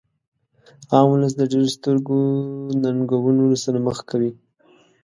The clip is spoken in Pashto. عام ولس د ډیرو سترو ننګونو سره مخ کوي.